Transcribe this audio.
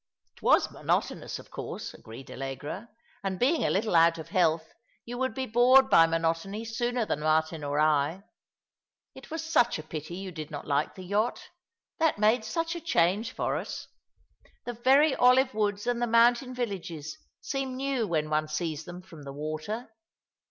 "It was monotonous, of course," agreed Allegra; "and being a little out of health, you would be bored by monotony sooner than Martin or I. It was such a pity you did not like the yacht. That made such a change for us. The very olive woods and the mountain villages seem new when one sees them from the water.